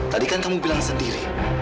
tadi kan kamu bilang sendiri